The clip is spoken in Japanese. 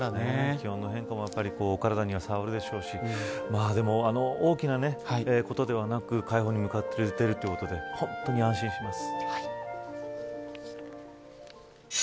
気温の変化もお体にはさわるでしょうし大きなことではなく快方に向かっているということで本当に安心します。